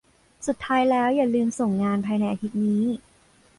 สุดท้ายแล้วอย่าลืมส่งงานภายในอาทิตย์นี้